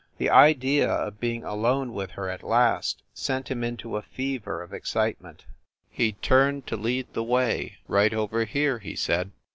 The idea of being alone with her at last sent him into a fever of ex citement. He turned to lead the way. "Right over here," he said.